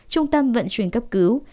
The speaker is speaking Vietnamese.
trung tâm vận chuyển cấp cứu